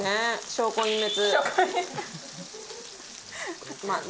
証拠隠滅。